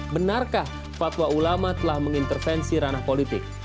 benarkah fatwa ulama telah mengintervensi ranah politik